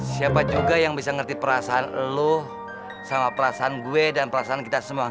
siapa juga yang bisa ngerti perasaan lu sama perasaan gue dan perasaan kita semua